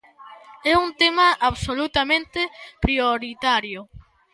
É un tema absolutamente prioritario.